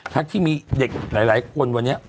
ทั้งที่มีเด็กหลายคนวันนี้